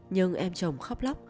nhưng em chồng khóc lóc